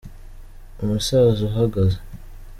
umusaza uhagaze